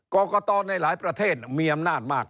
กรกตในหลายประเทศมีอำนาจมาก